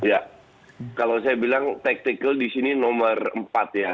ya kalau saya bilang tactical di sini nomor empat ya